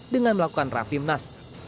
dengan melakukan rapimnas